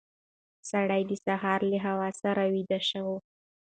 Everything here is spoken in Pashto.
سړی د سهار له هوا سره ویده شو.